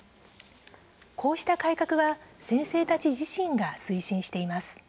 こうした改革は先生たち自身が推進しています。